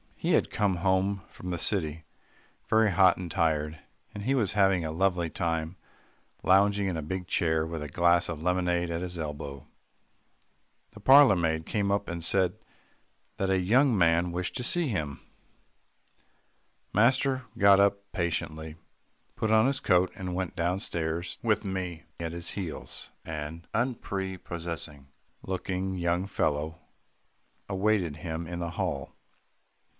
He had come home from the city very hot and tired, and he was having a lovely time lounging in a big chair with a glass of lemonade at his elbow. The parlour maid came up and said that a young man wished to see him. Master got up patiently, put on his coat, and went down stairs with me at his heels. An unprepossessing looking young fellow awaited him in the hall.